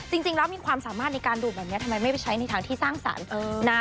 จริงแล้วมีความสามารถในการดูดแบบนี้ทำไมไม่ไปใช้ในทางที่สร้างสรรค์นะ